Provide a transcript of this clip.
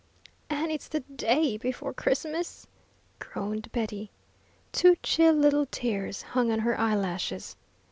"And it's the day before Christmas!" groaned Betty. Two chill little tears hung on her eyelashes.